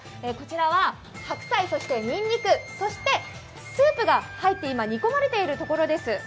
こちらは白菜、そしてにんにく、そしてスープが入って、今、煮込まれているところです。